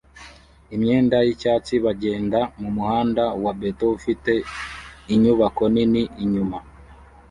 imyenda yicyatsi bagenda mumuhanda wa beto ufite inyubako nini inyuma